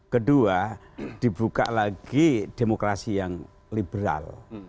kedua dibuka lagi demokrasi yang liberal